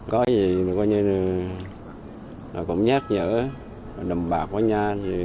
có gì cũng nhát nhở đầm bạc quá nha